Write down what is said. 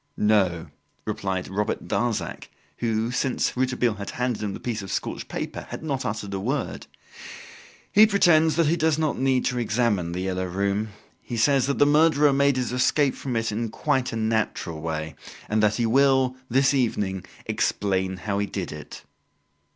"No," replied Robert Darzac, who, since Rouletabille had handed him the piece of scorched paper, had not uttered a word, "He pretends that he does not need to examine "The Yellow Room". He says that the murderer made his escape from it in quite a natural way, and that he will, this evening, explain how he did it."